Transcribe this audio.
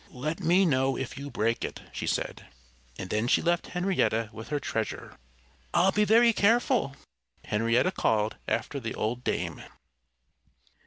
"Let me know if you break it," she said. And then she left Henrietta with her treasure. "I'll be very careful," Henrietta called after the old dame.